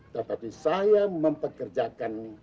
tetapi saya mempekerjakan